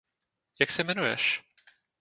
Jak se jmenuješ?